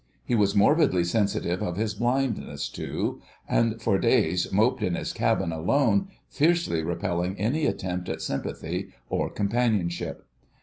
He was morbidly sensitive of his blindness, too, and for days moped in his cabin alone, fiercely repelling any attempt at sympathy or companionship.